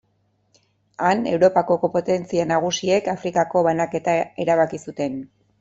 Han, Europako potentzia nagusiek Afrikako banaketa erabaki zuten.